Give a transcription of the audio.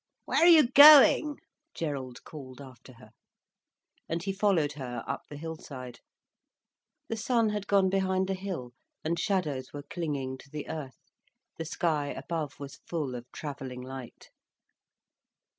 "Where are you going?" Gerald called after her. And he followed her up the hill side. The sun had gone behind the hill, and shadows were clinging to the earth, the sky above was full of travelling light.